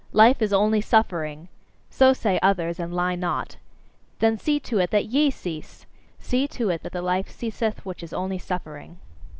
"Life is only suffering": so say others, and lie not. Then see to it that YE cease! See to it that the life ceaseth which is only suffering!